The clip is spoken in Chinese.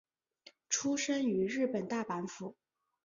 出身于日本大阪府。